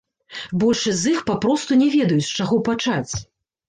Большасць з іх папросту не ведаюць, з чаго пачаць.